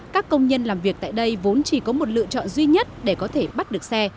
các công nhân làm việc tại đây vốn chỉ có một lựa chọn duy nhất để có thể bắt được xe